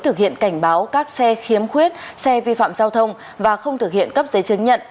thực hiện cảnh báo các xe khiếm khuyết xe vi phạm giao thông và không thực hiện cấp giấy chứng nhận